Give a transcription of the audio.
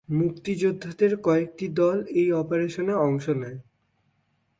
মুক্তিযোদ্ধাদের কয়েকটি দল এই অপারেশনে অংশ নেয়।